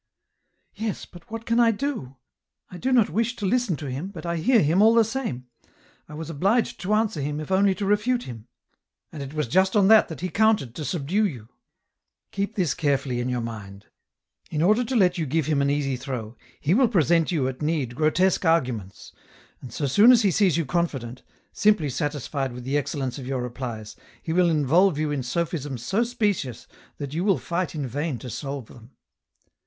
" Yes, but what can I do ? I do not wish to listen to him, but I hear him all the same. I was obliged to answer him if only to refute him." " And it was just on that he counted to subdue you ; keep this carefully in your mind ; in order to let you give him an easy throw, he will present you at need grotesque arguments, and so soon as he sees you confident, simply satisfied with the excellence of your replies, he will involve you in sophisms so specious that you will fight in vain to solve them.